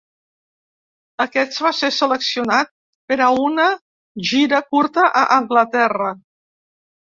Aquest va ser seleccionat per a una gira curta a Anglaterra.